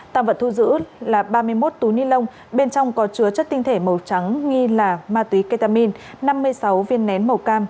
tạm vật thu giữ là ba mươi một túi ni lông bên trong có chứa chất tinh thể màu trắng nghi là ma túy ketamin năm mươi sáu viên nén màu cam